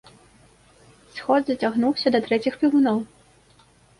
Сход зацягнуўся да трэціх певуноў.